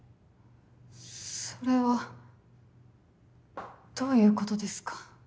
それはどういうことですか？